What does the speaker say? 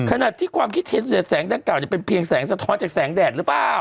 ขนาดที่ความคิดเห็นเสียแสงดังกล่าจะเป็นเพียงแสงสะท้อนจากแสงแดดหรือเปล่า